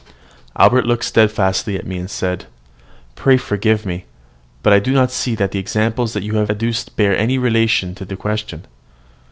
Albert looked steadfastly at me, and said, "Pray forgive me, but I do not see that the examples you have adduced bear any relation to the question."